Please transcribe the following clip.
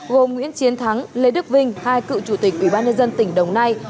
gồm nguyễn chiến thắng lê đức vinh hai cựu chủ tịch ủy ban nhân dân tỉnh đồng nai